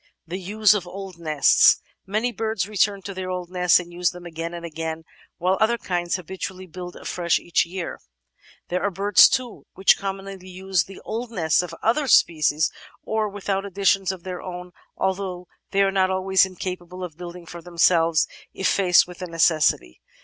The Use of Old Nests Many birds return to their old nests and use them again and again, while other kinds habitually build afresh each year. VOL. II — 10 442 The Outline of Science There are birds, too, which commonly use the old nests of other species, with or without additions of their own, although they are not always incapable of building for themselves if faced with the necessity.